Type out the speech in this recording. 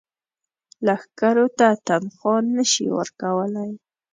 لښکرو ته تنخوا نه شي ورکولای.